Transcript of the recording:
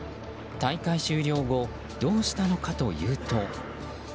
大会終了後どうしたのかというと。